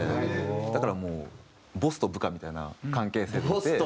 だからもうボスと部下みたいな関係性になって。